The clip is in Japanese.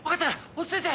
落ち着いて。